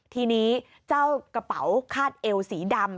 ทีนี้เจ้ากระเป๋าคาดเอวสีดำ